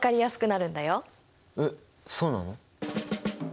えっそうなの？